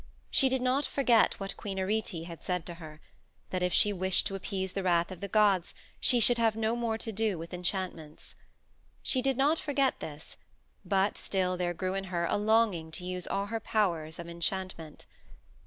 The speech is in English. She did not forget what Queen Arete had said to her that if she wished to appease the wrath of the gods she should have no more to do with enchantments. She did not forget this, but still there grew in her a longing to use all her powers of enchantment.